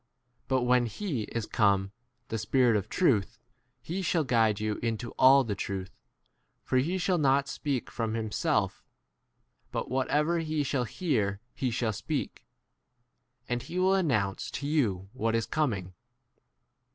But when he is come, the Spirit of truth, he shall guide you into all the truth ; for he shall not speak from himself ; but whatever he shall hear he shall speak ; and he will announce l to 14 you what is coming.